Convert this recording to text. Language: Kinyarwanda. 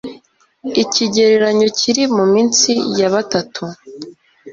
ikigereranyo kiri munsi ya batatu